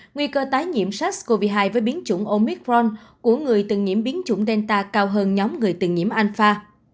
nguy cơ tái nhiễm sars cov hai với biến chủng omitron của người từng nhiễm biến chủng delta cao hơn nhóm người từng nhiễm alpha